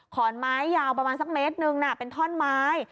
ขอนไม้ยาวประมาณสักเมตรหนึ่งเป็นท่อนไม้